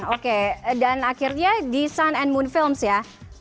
oke dan akhirnya di sun and moon films ya